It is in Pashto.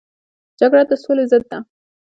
جګړه د سولې ضد ده